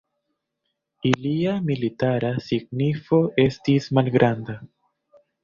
Ilia militara signifo estis malgranda.